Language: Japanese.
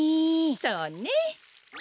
そうね。